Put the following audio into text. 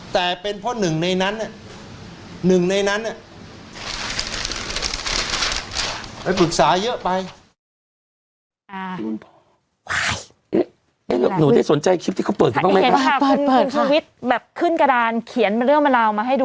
แต่เป็นเพราะหนึ่งในนั้นไปปรึกษาเยอะไป